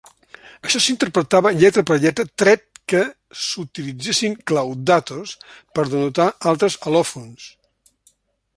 Això s'interpretava lletra per lletra tret que s'utilitzessin claudàtors per denotar altres al·lòfons.